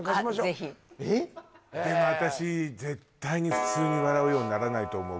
ぜひでもアタシ絶対に普通に笑うようにならないと思う